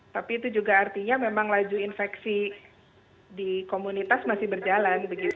tapi itu juga artinya memang laju infeksi di komunitas masih berjalan